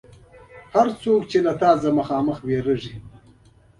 هر څوک چې ستا څخه مخامخ وېرېږي.